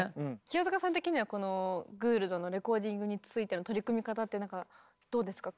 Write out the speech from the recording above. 清塚さん的にはこのグールドのレコーディングについての取り組み方ってどうですか？